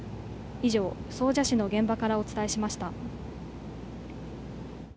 以上、総社市の現場からお伝えしました。